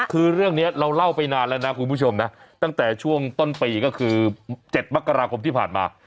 คือเรื่องนี้เราเล่าไปนานแล้วนะคุณผู้ชมนะตั้งแต่ช่วงต้นปีก็คือ๗มกราคมที่ผ่านมา